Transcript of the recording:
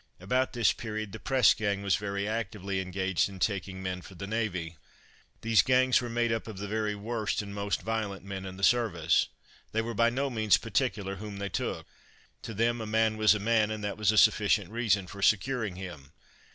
About this period the press gang was very actively engaged in taking men for the navy. These gangs were made up of the very worst and most violent men in the service. They were by no means particular whom they took: to them a man was a man, and that was a sufficient reason for securing him.